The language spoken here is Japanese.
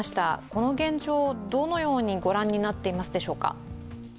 この現状をどのように御覧になっていますでしょうか。